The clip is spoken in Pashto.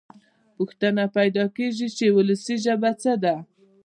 پوښتنه پیدا کېږي چې وولسي ژبه څه ده.